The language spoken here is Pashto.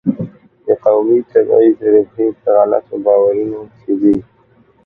د قومي تبعیض ریښې په غلطو باورونو کې دي.